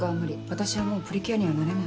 私はもうプリキュアにはなれない。